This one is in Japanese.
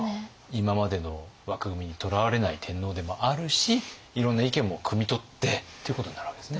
今までの枠組みにとらわれない天皇でもあるしいろんな意見もくみ取ってということになるわけですね。